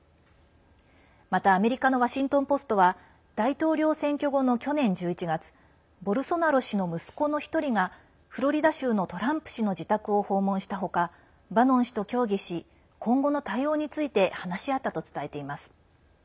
また、アメリカのワシントン・ポストは大統領選挙後の去年１１月ボルソナロ氏の息子の１人がフロリダ州のトランプ氏の自宅を訪問したほかバノン氏と協議し今後の対応について話し合ったと伝えています。